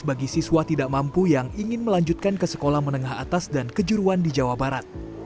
bagi siswa tidak mampu yang ingin melanjutkan ke sekolah menengah atas dan kejuruan di jawa barat